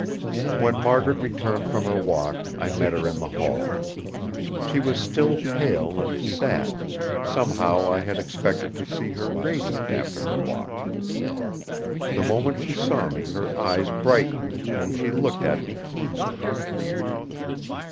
When Margaret returned from her walk, I met her in the hall. She was still pale and sad; somehow, I had expected to see her radiant after her walk. The moment she saw me her eyes brightened, and she looked at me keenly.